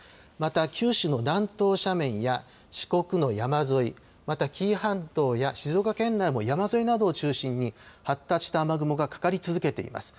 また九州の南東斜面や四国の山沿いまた紀伊半島や静岡県内も山沿いなどを中心に発達した雨雲がかかり続けています。